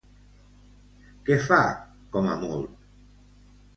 Què fa, com a molt?